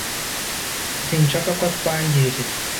Sinshaka ko atwangiriza